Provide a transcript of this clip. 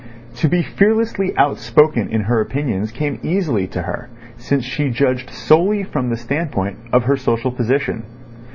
To be fearlessly outspoken in her opinions came easily to her, since she judged solely from the standpoint of her social position.